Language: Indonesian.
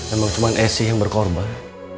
emang cuman esy yang berkorban